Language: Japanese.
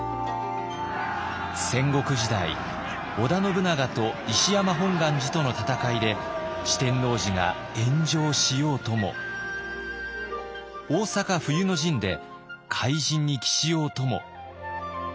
戦国時代織田信長と石山本願寺との戦いで四天王寺が炎上しようとも大坂冬の陣で灰じんに帰しようとも。